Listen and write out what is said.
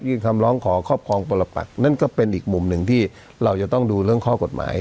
คำร้องขอครอบครองปรปักนั่นก็เป็นอีกมุมหนึ่งที่เราจะต้องดูเรื่องข้อกฎหมาย